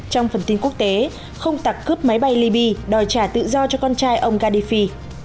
trong phần tin quốc tế không tặc cướp máy bay libya đòi trả tự do cho con trai ông gadifi